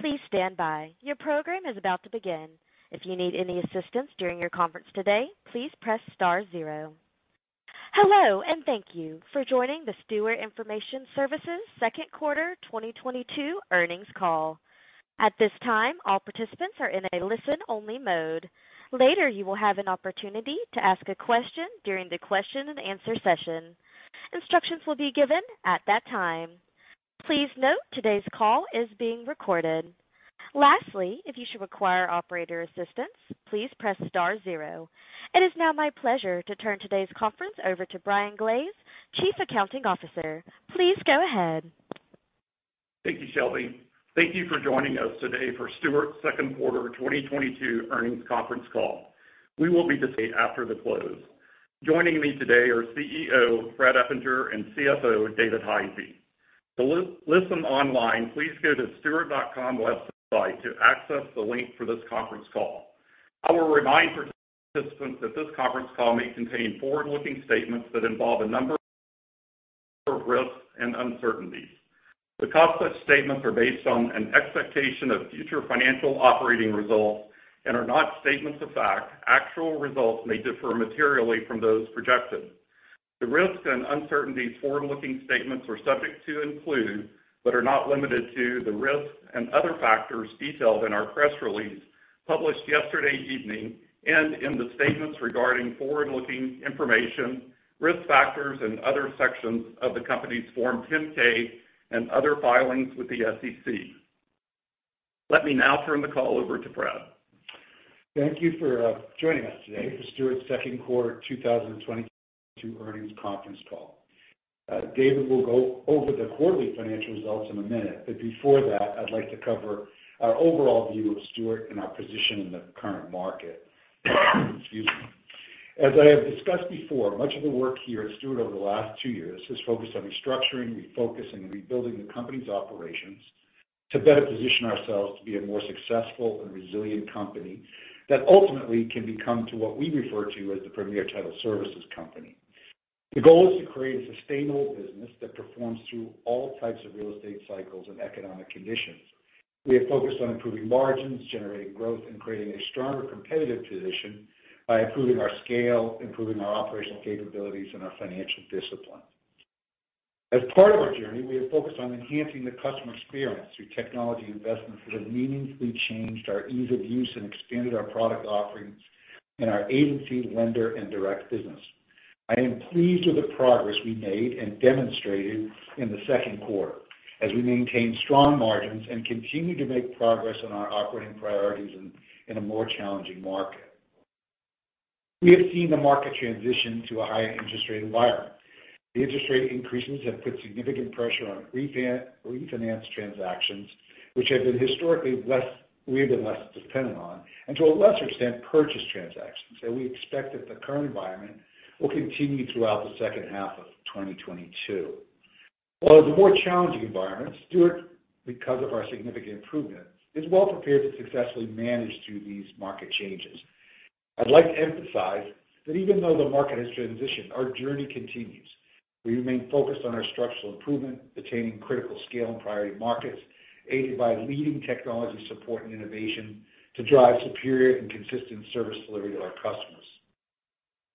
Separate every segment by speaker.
Speaker 1: Please stand by. Your program is about to begin. If you need any assistance during your conference today, please press star zero. Hello, and thank you for joining the Stewart Information Services Q2 2022 Earnings Call. At this time, all participants are in a listen-only mode. Later, you will have an opportunity to ask a question during the question and answer session. Instructions will be given at that time. Please note today's call is being recorded. Lastly, if you should require operator assistance, please press star zero. It is now my pleasure to turn today's conference over to Brian Glaze, Chief Accounting Officer. Please go ahead.
Speaker 2: Thank you, Shelby. Thank you for joining us today for Stewart Q2 2022 Earnings Conference Call. We will be discussing after the close. Joining me today are CEO, Fred Eppinger, and CFO, David Hisey. To listen online, please go to stewart.com website to access the link for this conference call. I will remind participants that this conference call may contain forward-looking statements that involve a number of risks and uncertainties. Because such statements are based on an expectation of future financial operating results and are not statements of fact, actual results may differ materially from those projected. The risks and uncertainties forward-looking statements are subject to include, but are not limited to, the risks and other factors detailed in our press release published yesterday evening and in the statements regarding forward-looking information, risk factors and other sections of the company's Form 10-K and other filings with the SEC. Let me now turn the call over to Fred.
Speaker 3: Thank you for joining us today for Stewart Q2 2022 Earnings Conference Call. David will go over the quarterly financial results in a minute, but before that, I'd like to cover our overall view of Stewart and our position in the current market. Excuse me. As I have discussed before, much of the work here at Stewart over the last two years has focused on restructuring, refocusing, and rebuilding the company's operations to better position ourselves to be a more successful and resilient company that ultimately can become to what we refer to as the premier title services company. The goal is to create a sustainable business that performs through all types of real estate cycles and economic conditions. We have focused on improving margins, generating growth, and creating a stronger competitive position by improving our scale, improving our operational capabilities and our financial discipline. As part of our journey, we have focused on enhancing the customer experience through technology investments that have meaningfully changed our ease of use and expanded our product offerings in our agency, lender, and direct business. I am pleased with the progress we made and demonstrated in the second quarter as we maintained strong margins and continued to make progress on our operating priorities in a more challenging market. We have seen the market transition to a higher interest rate environment. The interest rate increases have put significant pressure on refinance transactions, which we have been less dependent on historically, and to a lesser extent, purchase transactions. We expect that the current environment will continue throughout the H2 of 2022. While it's a more challenging environment, Stewart, because of our significant improvements, is well prepared to successfully manage through these market changes. I'd like to emphasize that even though the market has transitioned, our journey continues. We remain focused on our structural improvement, attaining critical scale in priority markets, aided by leading technology support and innovation to drive superior and consistent service delivery to our customers.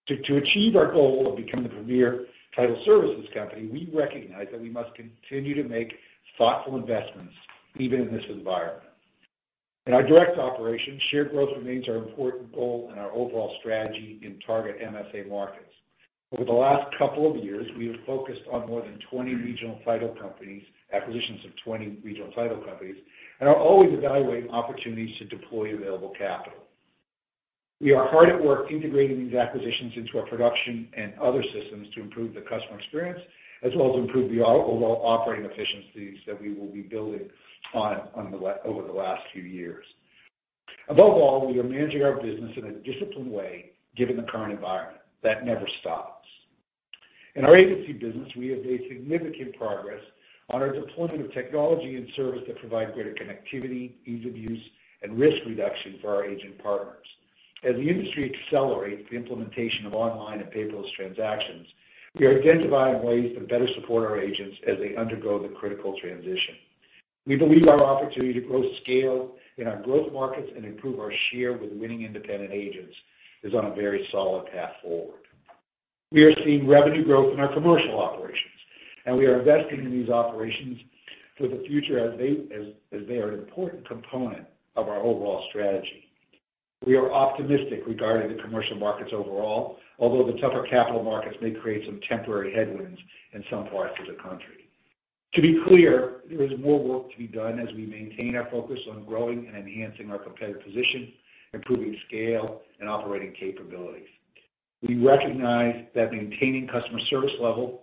Speaker 3: To achieve our goal of becoming the premier title services company, we recognize that we must continue to make thoughtful investments even in this environment. In our direct operations, shared growth remains our important goal and our overall strategy in target MSA markets. Over the last couple of years, we have focused on acquisitions of more than 20 regional title companies, and are always evaluating opportunities to deploy available capital. We are hard at work integrating these acquisitions into our production and other systems to improve the customer experience, as well as improve the overall operating efficiencies that we will be building on over the last few years. Above all, we are managing our business in a disciplined way, given the current environment. That never stops. In our agency business, we have made significant progress on our deployment of technology and service that provide greater connectivity, ease of use, and risk reduction for our agent partners. As the industry accelerates the implementation of online and paperless transactions, we are identifying ways to better support our agents as they undergo the critical transition. We believe our opportunity to grow scale in our growth markets and improve our share with winning independent agents is on a very solid path forward. We are seeing revenue growth in our commercial operations, and we are investing in these operations for the future as they are an important component of our overall strategy. We are optimistic regarding the commercial markets overall, although the tougher capital markets may create some temporary headwinds in some parts of the country. To be clear, there is more work to be done as we maintain our focus on growing and enhancing our competitive position, improving scale and operating capabilities. We recognize that maintaining customer service levels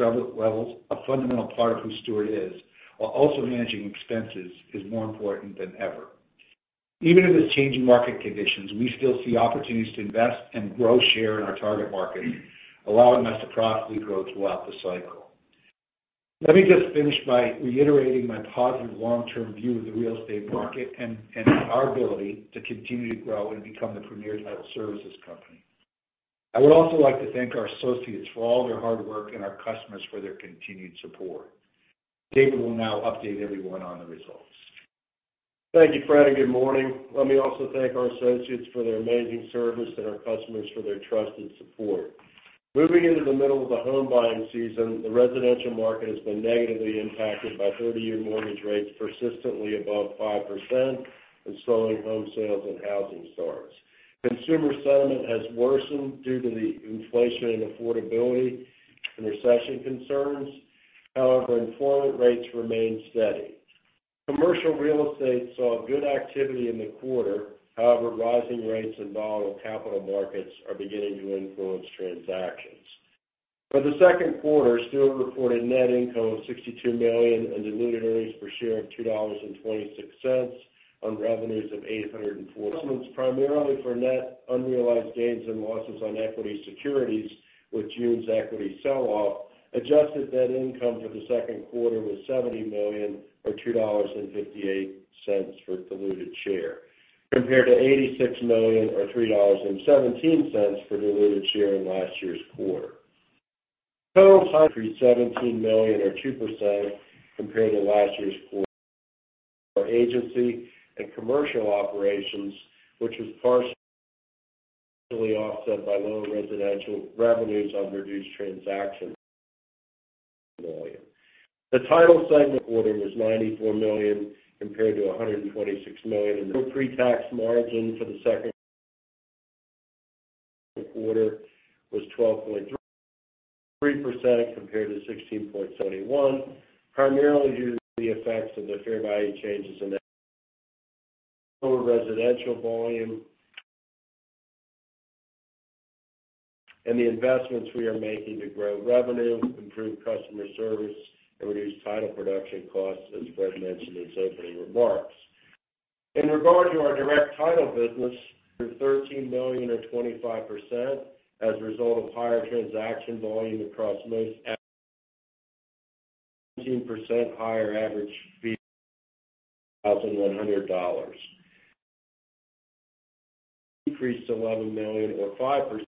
Speaker 3: are a fundamental part of who Stewart is, while also managing expenses is more important than ever. Even in this changing market conditions, we still see opportunities to invest and grow share in our target market, allowing us to profitably grow throughout the cycle. Let me just finish by reiterating my positive long-term view of the real estate market and our ability to continue to grow and become the premier title services company. I would also like to thank our associates for all their hard work and our customers for their continued support. David will now update everyone on the results.
Speaker 4: Thank you, Fred, and good morning. Let me also thank our associates for their amazing service and our customers for their trusted support. Moving into the middle of the home buying season, the residential market has been negatively impacted by 30-year mortgage rates persistently above 5% and slowing home sales and housing starts. Consumer sentiment has worsened due to the inflation and affordability and recession concerns. However, employment rates remain steady. Commercial real estate saw good activity in the quarter. However, rising rates and volatile capital markets are beginning to influence transactions. For the Q2, Stewart reported net income of $62 million and diluted earnings per share of $2.26 on revenues of $840 million primarily for net unrealized gains and losses on equity securities with June's equity sell-off. Adjusted net income for the second quarter was $70 million or $2.58 per diluted share, compared to $86 million or $3.17 per diluted share in last year's quarter. Total revenues were $417 million or 2% compared to last year's quarter. Our agency and commercial operations, which was partially offset by lower residential revenues on reduced transaction volumes. The title segment pretax income was $94 million compared to $126 million. Pretax margin for the second quarter was 12.3% compared to 16.7%, primarily due to the effects of the fair value changes in residential volume and the investments we are making to grow revenue, improve customer service, and reduce title production costs, as Fred mentioned in his opening remarks. In regard to our direct title business, $13 million or 25% as a result of higher transaction volume across most markets and 10% higher average fee $1,100. Decreased $11 million or 5%,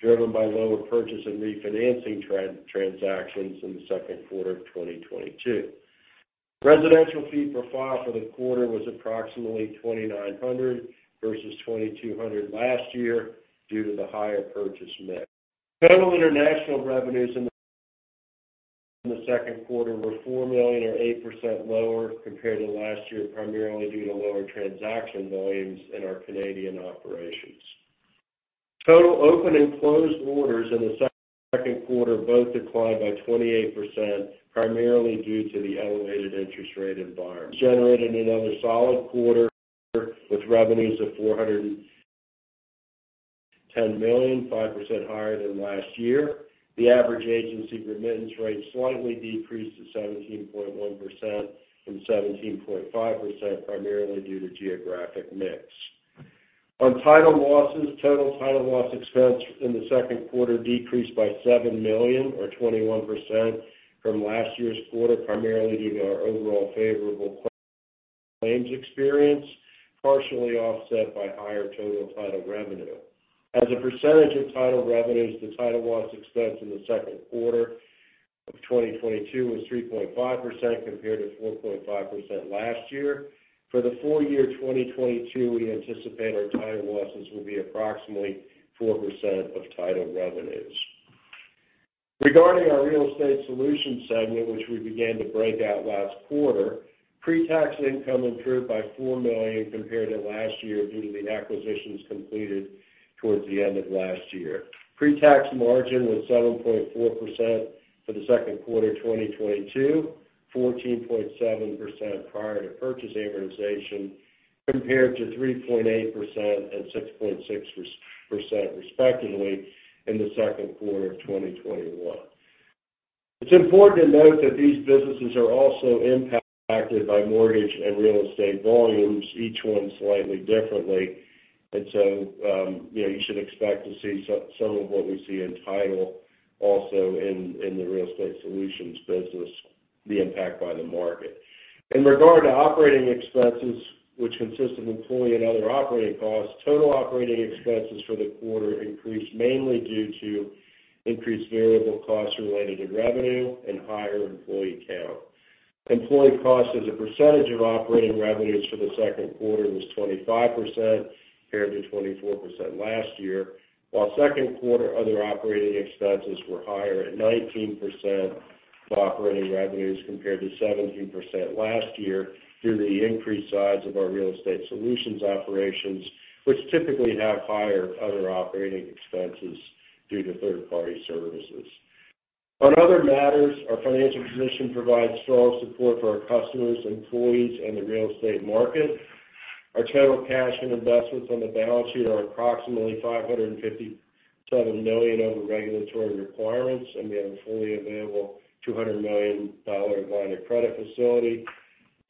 Speaker 4: driven by lower purchase and refinancing transactions in the Q2 of 2022. Residential fee per file for the quarter was approximately $2,900 versus $2,200 last year due to the higher purchase mix. Total international revenues in the second quarter were $4 million or 8% lower compared to last year, primarily due to lower transaction volumes in our Canadian operations. Total open and closed orders in the Q2 both declined by 28%, primarily due to the elevated interest rate environment. Generated another solid quarter with revenues of $410 million, 5% higher than last year. The average agency remittance rate slightly decreased to 17.1% from 17.5%, primarily due to geographic mix. On title losses, total title loss expense in the Q2 decreased by $7 million or 21% from last year's quarter, primarily due to our overall favorable claims experience, partially offset by higher total title revenue. As a percentage of title revenues, the title loss expense in the Q2 of 2022 was 3.5% compared to 4.5% last year. For the full year 2022, we anticipate our title losses will be approximately 4% of title revenues. Regarding our Real Estate Solutions segment, which we began to break out last quarter, pretax income improved by $4 million compared to last year due to the acquisitions completed towards the end of last year. Pretax margin was 7.4% for the Q2 of 2022, 14.7% prior to purchase amortization, compared to 3.8% and 6.6% respectively in the Q2 of 2021. It's important to note that these businesses are also impacted by mortgage and real estate volumes, each one slightly differently. You know, you should expect to see some of what we see in title also in the Real Estate Solutions business, the impact by the market. In regard to operating expenses, which consist of employee and other operating costs, total operating expenses for the quarter increased mainly due to increased variable costs related to revenue and higher employee count. Employee costs as a percentage of operating revenues for the Q2 was 25% compared to 24% last year. While Q2 other operating expenses were higher at 19% of operating revenues compared to 17% last year due to the increased size of our Real Estate Solutions operations, which typically have higher other operating expenses due to third-party services. Our financial position provides strong support for our customers, employees, and the real estate market. Our total cash and investments on the balance sheet are approximately $557 million over regulatory requirements, and we have a fully available $200 million line of credit facility.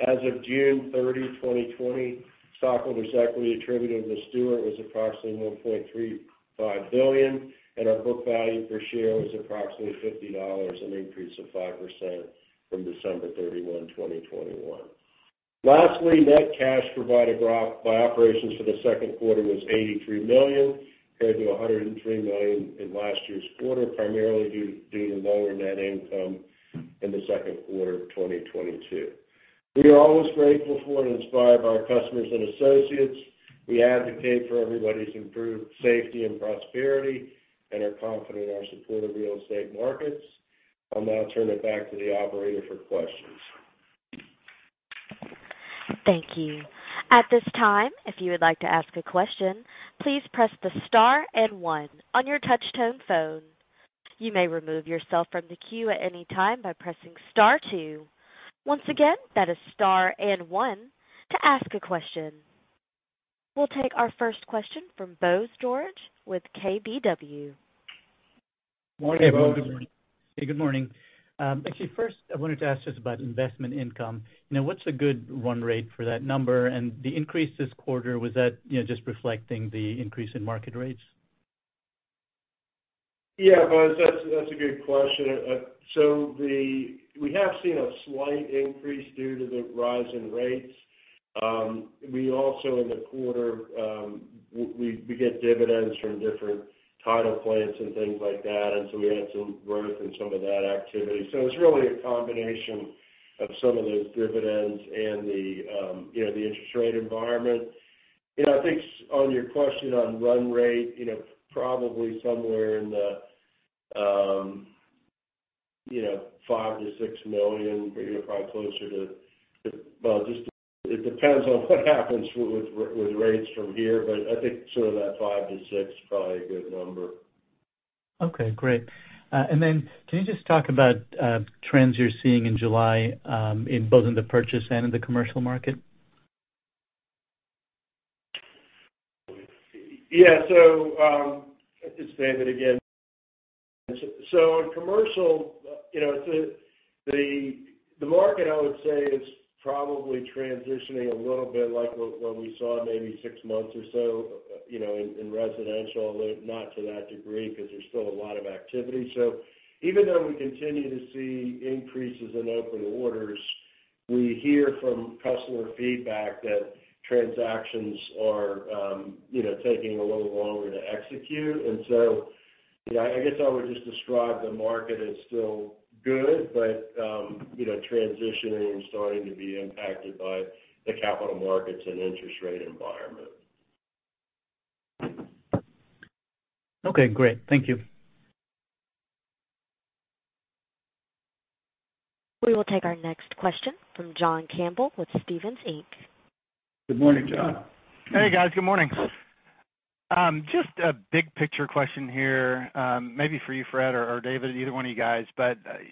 Speaker 4: As of June 30, 2020, stockholders' equity attributable to Stewart was approximately $1.35 billion, and our book value per share was approximately $50, an increase of 5% from December 31, 2021. Lastly, net cash provided by operations for the Q2 was $83 million, compared to $103 million in last year's quarter, primarily due to lower net income in the Q2 of 2022. We are always grateful for and inspired by our customers and associates. We advocate for everybody's improved safety and prosperity and are confident in our support of real estate markets. I'll now turn it back to the operator for questions.
Speaker 1: Thank you. At this time, if you would like to ask a question, please press the star and one on your touch tone phone. You may remove yourself from the queue at any time by pressing star two. Once again, that is star and one to ask a question. We'll take our first question from Bose George with KBW.
Speaker 4: Morning, Bose.
Speaker 5: Hey, good morning. Actually, first I wanted to ask just about investment income. You know, what's a good run rate for that number? The increase this quarter, was that, you know, just reflecting the increase in market rates?
Speaker 4: Yeah, Bose, that's a good question. We have seen a slight increase due to the rise in rates. We also in the quarter, we get dividends from different title plants and things like that. We had some growth in some of that activity. It's really a combination of some of those dividends and the, you know, the interest rate environment. You know, I think on your question on run rate, you know, probably somewhere in the, you know, $5 million to $6 million, but you're probably closer to. Well, just it depends on what happens with rates from here, but I think sort of that $5 million to $6 million is probably a good number.
Speaker 5: Okay, great. Can you just talk about trends you're seeing in July, in both the purchase and in the commercial market?
Speaker 4: Yeah. Just say that again. In commercial, you know, the market I would say is probably transitioning a little bit like what we saw maybe six months or so, you know, in residential, although not to that degree because there's still a lot of activity. Even though we continue to see increases in open orders, we hear from customer feedback that transactions are, you know, taking a little longer to execute. You know, I guess I would just describe the market as still good, but, you know, transitioning and starting to be impacted by the capital markets and interest rate environment.
Speaker 5: Okay, great. Thank you.
Speaker 1: We will take our next question from John Campbell with Stephens Inc.
Speaker 4: Good morning, John.
Speaker 6: Hey, guys. Good morning. Just a big picture question here, maybe for you, Fred or David, either one of you guys.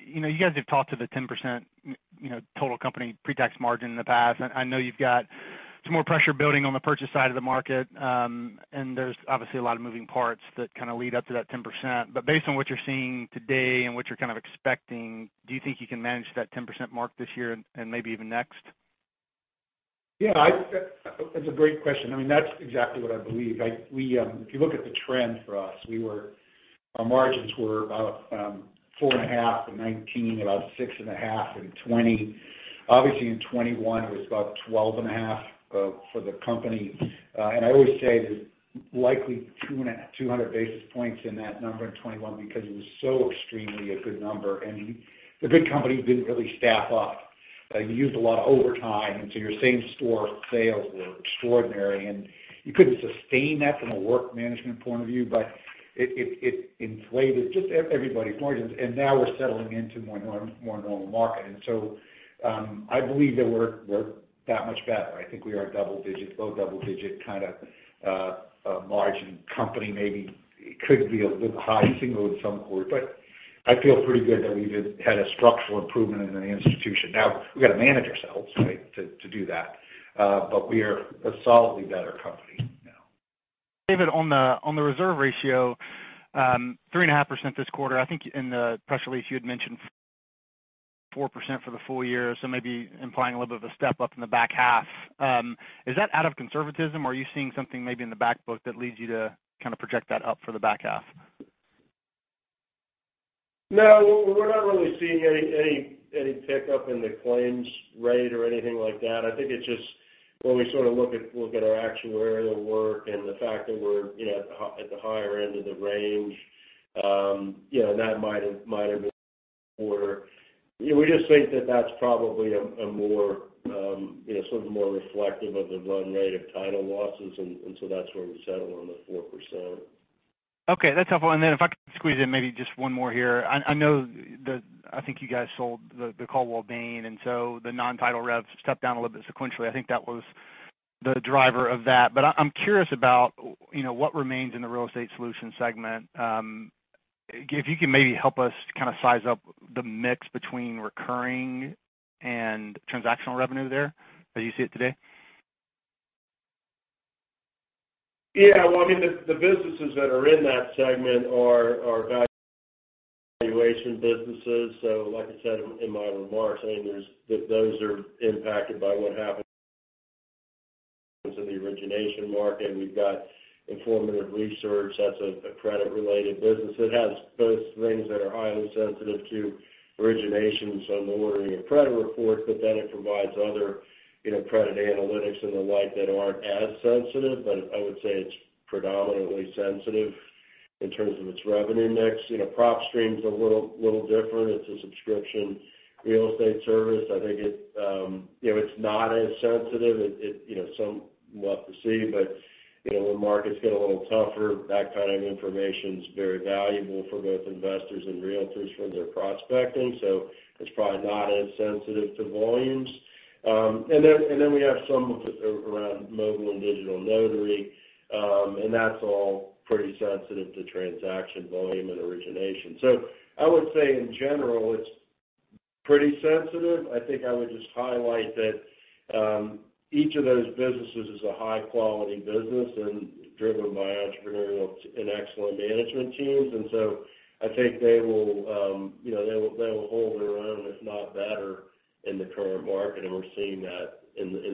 Speaker 6: You know, you guys have talked to the 10%, you know, total company pre-tax margin in the past. I know you've got some more pressure building on the purchase side of the market, and there's obviously a lot of moving parts that kind of lead up to that 10%. Based on what you're seeing today and what you're kind of expecting, do you think you can manage that 10% mark this year and maybe even next?
Speaker 3: Yeah, that's a great question. I mean, that's exactly what I believe. We, if you look at the trend for us, our margins were about 4.5% and 19%, about 6.5% in 2020. Obviously in 2021, it was about 12.5% for the company. I always say there's likely 200 basis points in that number in 2021 because it was so extremely a good number and the big companies didn't really staff up. You used a lot of overtime, and so your same store sales were extraordinary, and you couldn't sustain that from a work management point of view, but it inflated just everybody's margins, and now we're settling into more normal market. I believe that we're that much better. I think we are a double-digit, low double-digit kinda margin company. Maybe it could be a high single in some quarter, but I feel pretty good that had a structural improvement in the institution. Now we've got to manage ourselves, right, to do that. We are a solidly better company now.
Speaker 6: David, on the reserve ratio, 3.5% this quarter. I think in the press release you had mentioned 4% for the full year. Maybe implying a little bit of a step up in the back half. Is that out of conservatism, or are you seeing something maybe in the back book that leads you to kind of project that up for the back half?
Speaker 4: No, we're not really seeing any pickup in the claims rate or anything like that. I think it's just when we sort of look at our actuarial work and the fact that we're, you know, at the higher end of the range, you know, that might have been where. You know, we just think that that's probably a more, you know, sort of more reflective of the run rate of title losses and so that's where we settle on the 4%.
Speaker 6: Okay, that's helpful. If I could squeeze in maybe just one more here. I know. I think you guys sold the Coldwell Banker, and so the non-title revs stepped down a little bit sequentially. I think that was the driver of that. I'm curious about, you know, what remains in the Real Estate Solutions segment. If you can maybe help us kind of size up the mix between recurring and transactional revenue there as you see it today.
Speaker 4: Yeah. Well, I mean, the businesses that are in that segment are valuation businesses. Like I said in my remarks, I mean, there's those are impacted by what happened in the origination market. We've got Informative Research. That's a credit-related business. It has both things that are highly sensitive to origination, so ordering a credit report, but then it provides other, you know, credit analytics and the like that aren't as sensitive. But I would say it's predominantly sensitive in terms of its revenue mix. You know, PropStream's a little different. It's a subscription real estate service. I think it, you know, it's not as sensitive. It, you know, some we'll have to see. But, you know, when markets get a little tougher, that kind of information's very valuable for both investors and realtors for their prospecting. It's probably not as sensitive to volumes. We have some with around mobile and digital notary, and that's all pretty sensitive to transaction volume and origination. I would say in general, it's pretty sensitive. I think I would just highlight that, each of those businesses is a high-quality business and driven by entrepreneurial and excellent management teams. I think they will, you know, they will hold their own, if not better in the current market, and we're seeing that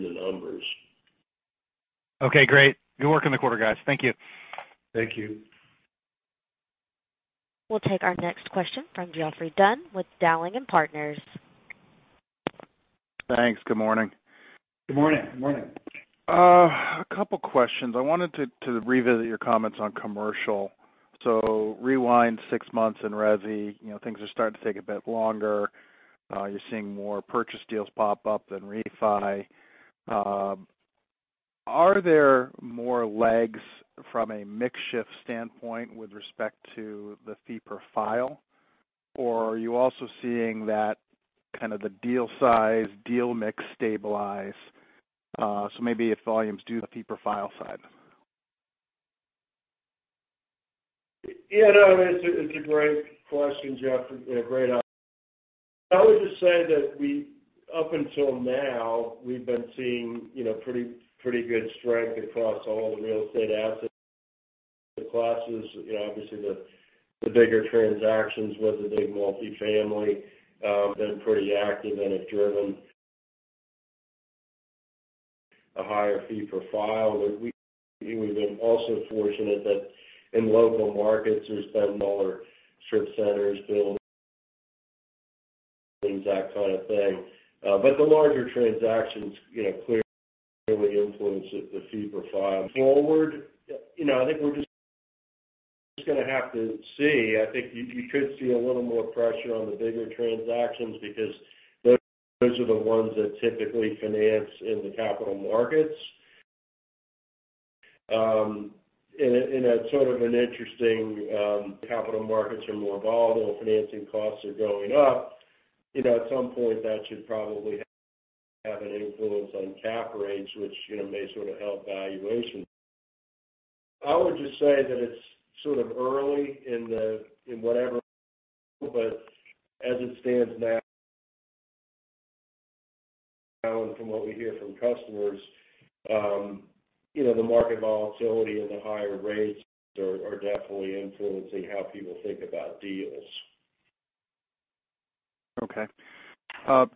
Speaker 4: in the numbers.
Speaker 6: Okay, great. Good work in the quarter, guys. Thank you.
Speaker 4: Thank you.
Speaker 1: We'll take our next question from Geoffrey Dunn with Dowling & Partners.
Speaker 7: Thanks. Good morning.
Speaker 4: Good morning.
Speaker 7: A couple questions. I wanted to revisit your comments on commercial. Rewind six months in resi, you know, things are starting to take a bit longer. You're seeing more purchase deals pop up than refi. Are there more lags from a mix shift standpoint with respect to the fee per file, or are you also seeing that kind of the deal size, deal mix stabilize, so maybe if volumes do the fee per file side?
Speaker 4: Yeah, no, it's a great question, Geoffrey. I would just say that up until now, we've been seeing, you know, pretty good strength across all the real estate asset classes. You know, obviously, the bigger transactions with the big multifamily been pretty active and have driven a higher fee per file. We've been also fortunate that in local markets, there's been smaller strip centers built, things, that kind of thing. The larger transactions, you know, clearly influence the fee per file. Forward, you know, I think we're just gonna have to see. I think you could see a little more pressure on the bigger transactions because those are the ones that typically finance in the capital markets. Capital markets are more volatile, financing costs are going up. You know, at some point, that should probably have an influence on cap rates, which, you know, may sort of help valuation. I would just say that it's sort of early in whatever, but as it stands now, from what we hear from customers, you know, the market volatility and the higher rates are definitely influencing how people think about deals.
Speaker 7: Okay.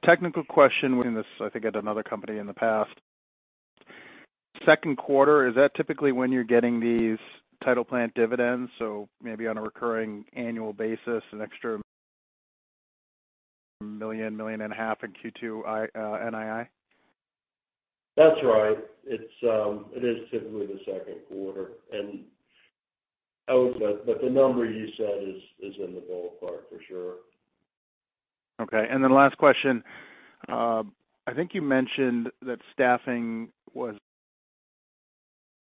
Speaker 7: Technical question within this, I think at another company in the past. Q2, is that typically when you're getting these title plant dividends, so maybe on a recurring annual basis, an extra $1.5 million in Q2 NII?
Speaker 4: That's right. It's typically the Q2. I would say, but the number you said is in the ballpark for sure.
Speaker 7: Okay. Last question. I think you mentioned that staffing was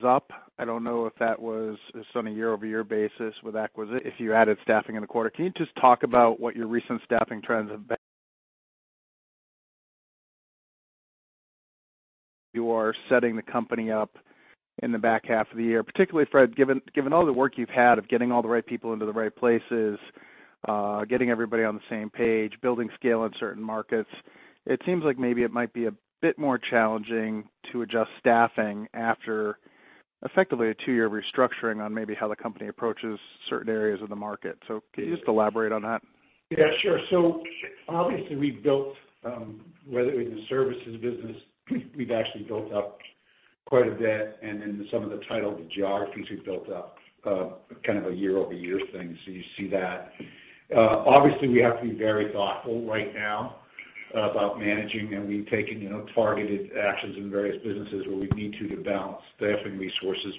Speaker 7: up. I don't know if that was just on a year-over-year basis with acquisitions, if you added staffing in the quarter. Can you just talk about what your recent staffing trends have been? You are setting the company up in the back half of the year, particularly, Fred, given all the work you've had of getting all the right people into the right places, getting everybody on the same page, building scale in certain markets. It seems like maybe it might be a bit more challenging to adjust staffing after effectively a two-year restructuring on maybe how the company approaches certain areas of the market. Can you just elaborate on that?
Speaker 3: Yeah, sure. Obviously, we've built, whether it was the services business, we've actually built up quite a bit and in some of the title geographies, we've built up, kind of a year-over-year thing. You see that. Obviously, we have to be very thoughtful right now about managing, and we've taken, you know, targeted actions in various businesses where we need to balance staffing resources.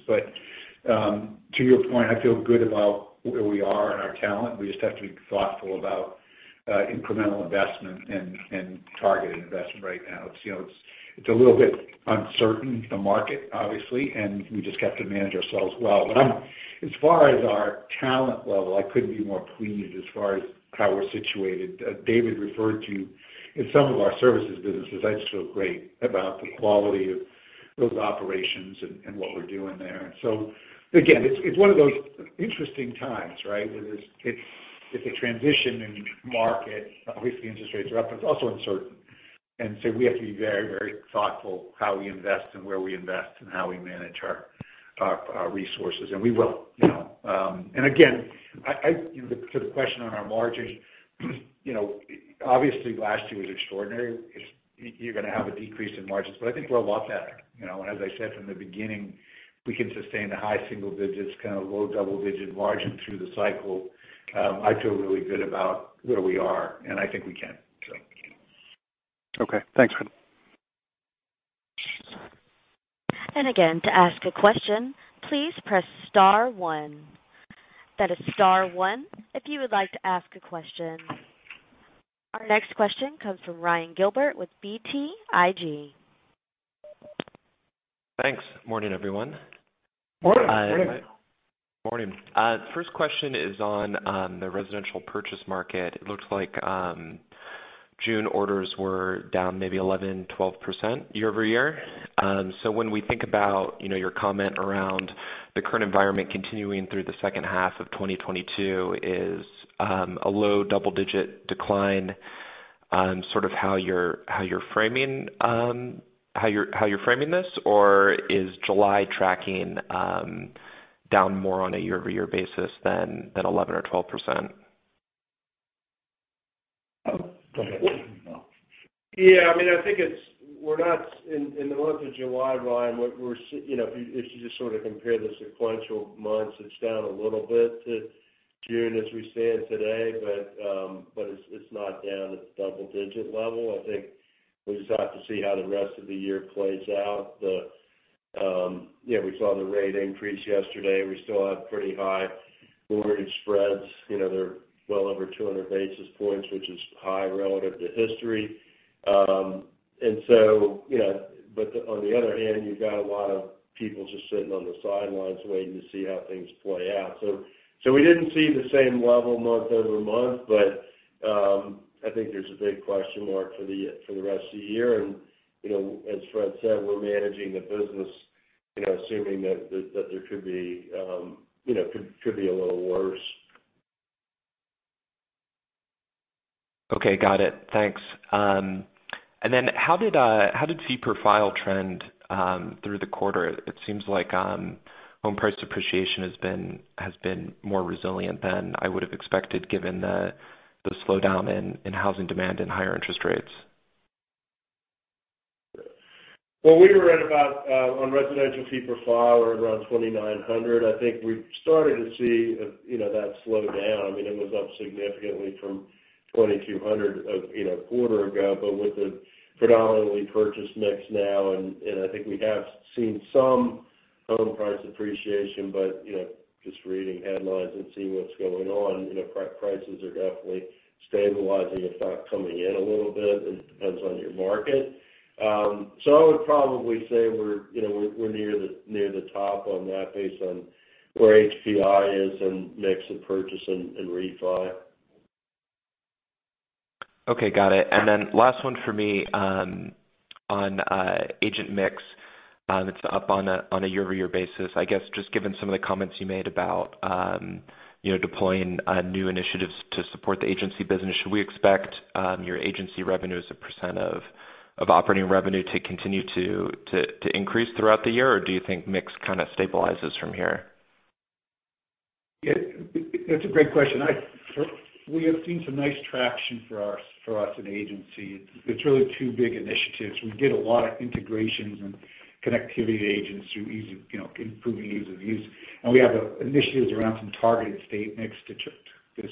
Speaker 3: To your point, I feel good about where we are and our talent. We just have to be thoughtful about incremental investment and targeted investment right now. It's, you know, a little bit uncertain, the market, obviously, and we just have to manage ourselves well. As far as our talent level, I couldn't be more pleased as far as how we're situated. David referred to in some of our services businesses. I just feel great about the quality of those operations and what we're doing there. Again, it's one of those interesting times, right? It's a transition in market. Obviously, interest rates are up. It's also uncertain. We have to be very, very thoughtful how we invest and where we invest and how we manage our Again, to the question on our margins, you know, obviously last year was extraordinary. You're gonna have a decrease in margins, but I think we're well-positioned. You know, and as I said from the beginning, we can sustain the high single digits, kind of low double-digit margin through the cycle. I feel really good about where we are, and I think we can.
Speaker 7: Okay. Thanks, Fred.
Speaker 1: Again, to ask a question, please press star one. That is star one if you would like to ask a question. Our next question comes from Ryan Gilbert with BTIG.
Speaker 8: Thanks. Morning, everyone.
Speaker 3: Morning.
Speaker 4: Morning.
Speaker 8: Morning. First question is on the residential purchase market. It looks like June orders were down maybe 11, 12% year-over-year. When we think about, you know, your comment around the current environment continuing through the H2 of 2022, is a low double-digit decline on sort of how you're framing this? Or is July tracking down more on a year-over-year basis than 11 or 12%?
Speaker 3: Go ahead.
Speaker 4: Yeah. I mean, I think we're not in the month of July, Ryan. You know, if you just sort of compare the sequential months, it's down a little bit to June as we stand today, but it's not down at the double-digit level. I think we just have to see how the rest of the year plays out. You know, we saw the rate increase yesterday. We still have pretty high mortgage spreads. You know, they're well over 200 basis points, which is high relative to history. But on the other hand, you've got a lot of people just sitting on the sidelines waiting to see how things play out. We didn't see the same level month-over-month, but I think there's a big question mark for the rest of the year. You know, as Fred said, we're managing the business, you know, assuming that there could be you know could be a little worse.
Speaker 8: Okay. Got it. Thanks. How did fee per file trend through the quarter? It seems like home price depreciation has been more resilient than I would have expected given the slowdown in housing demand and higher interest rates.
Speaker 4: Well, we were at about on residential fee per file, we're around $2,900. I think we've started to see, you know, that slow down. I mean, it was up significantly from $2,200 you know, quarter ago. But with the predominantly purchase mix now, and I think we have seen some home price appreciation, but, you know, just reading headlines and seeing what's going on, you know, prices are definitely stabilizing, if not coming in a little bit. It depends on your market. So I would probably say we're, you know, we're near the top on that based on where HPI is and mix of purchase and refi.
Speaker 8: Okay. Got it. Last one for me, on agent mix. It's up on a year-over-year basis. I guess, just given some of the comments you made about, you know, deploying new initiatives to support the agency business, should we expect your agency revenue as a percent of operating revenue to continue to increase throughout the year? Or do you think mix kind of stabilizes from here?
Speaker 3: It's a great question. We have seen some nice traction for us in agency. It's really two big initiatives. We did a lot of integrations and connectivity agents through easy, you know, improving ease of use. We have initiatives around some targeted state mix to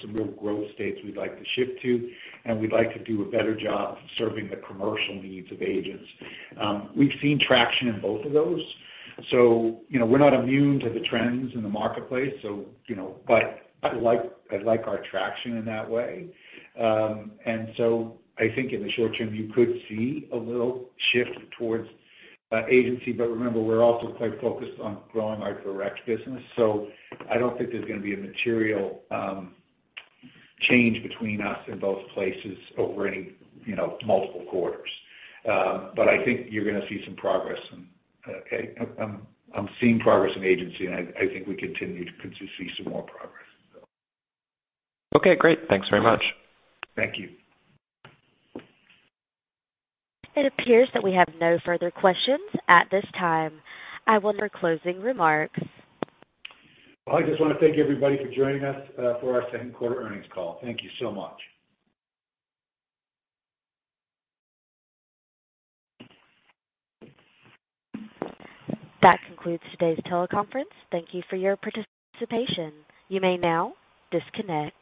Speaker 3: some real growth states we'd like to shift to, and we'd like to do a better job serving the commercial needs of agents. We've seen traction in both of those. You know, we're not immune to the trends in the marketplace. You know, but I like our traction in that way. I think in the short term, you could see a little shift towards agency. Remember, we're also quite focused on growing our direct business, so I don't think there's gonna be a material change between us in both places over any, you know, multiple quarters. I think you're gonna see some progress and okay, I'm seeing progress in agency, and I think we continue to see some more progress.
Speaker 8: Okay, great. Thanks very much.
Speaker 3: Thank you.
Speaker 1: It appears that we have no further questions at this time. I will now close the remarks.
Speaker 3: I just want to thank everybody for joining us, for our second quarter earnings call. Thank you so much.
Speaker 1: That concludes today's teleconference. Thank you for your participation. You may now disconnect.